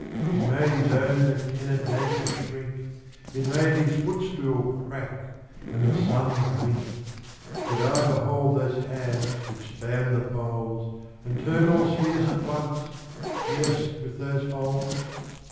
It made his owne Lieutenant Nature shrinke, It made his footstoole crack, and the Sunne winke. Could I behold those hands which span the Poles, And turne all spheares at once, peirc'd with those holes?